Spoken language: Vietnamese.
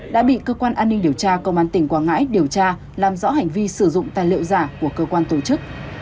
đã bị cơ quan an ninh điều tra công an tỉnh quảng ngãi điều tra làm rõ hành vi sử dụng tài liệu giả của cơ quan tổ chức